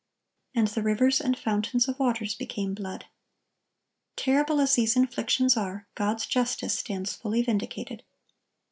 And "the rivers and fountains of waters ... became blood." Terrible as these inflictions are, God's justice stands fully vindicated.